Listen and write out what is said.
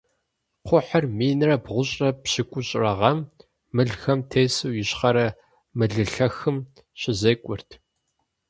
Кхъухьыр минрэ бгъущӏрэ пщыкӏущрэ гъэм мылхэм тесу Ищхъэрэ Мылылъэхым щызекӀуэрт.